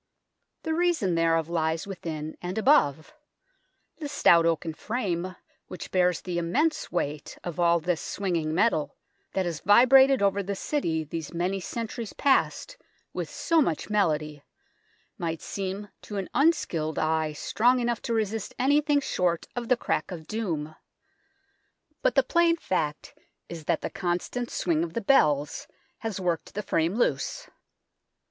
The reason thereof lies within and above. The stout oaken frame which bears the immense weight of all this swinging metal, that has vibrated over the City these many centuries past with so much melody, might seem to an unskilled eye strong enough to resist anything short of the crack of doom. But the plain fact is that the constant swing of the bells has worked the frame loose.